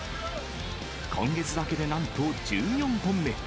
今月だけで、なんと１４本目。